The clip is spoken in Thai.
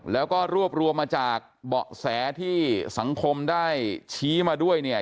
แล้วก็รวบรวมมาจากเบาะแสที่สังคมได้ชี้มาด้วยเนี่ย